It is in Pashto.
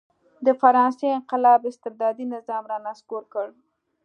د فرانسې انقلاب استبدادي نظام را نسکور کړ.